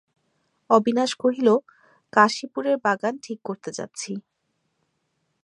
অবিনাশ কহিল, কাশীপুরের বাগান ঠিক করতে যাচ্ছি।